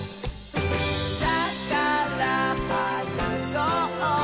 「だからはなそう！